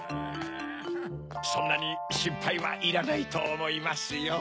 そんなにしんぱいはいらないとおもいますよ。